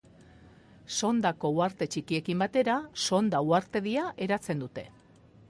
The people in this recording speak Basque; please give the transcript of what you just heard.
Sondako uharte txikiekin batera, Sonda uhartedia eratzen dute.